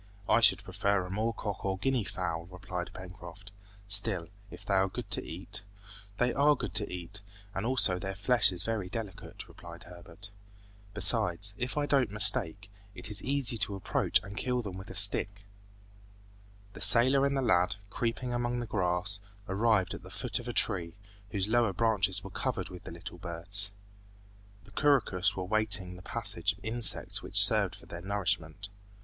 "I should prefer a moor cock or guinea fowl," replied Pencroft, "still, if they are good to eat " "They are good to eat, and also their flesh is very delicate," replied Herbert. "Besides, if I don't mistake, it is easy to approach and kill them with a stick." The sailor and the lad, creeping among the grass, arrived at the foot of a tree, whose lower branches were covered with little birds. The couroucous were waiting the passage of insects which served for their nourishment.